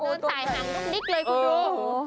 โอ้ตายห่างลุกนิกเลยคุณดู